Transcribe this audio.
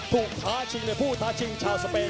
โด่งท้าชิงในฟูท้าชิงเจ้าสุบเปต